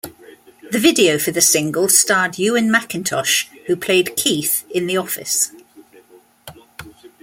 The video for the single starred Ewen Macintosh, who played Keith in "The Office".